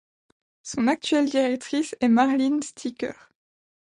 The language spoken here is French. Son actuelle directrice est Marleen Stikker.